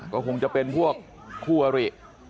ก็คงจะเป็นพวกคู่อริ